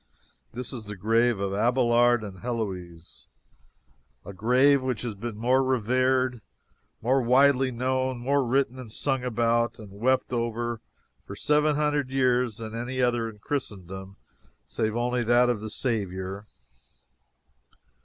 This is the grave of Abelard and Heloise a grave which has been more revered, more widely known, more written and sung about and wept over, for seven hundred years, than any other in Christendom save only that of the Saviour.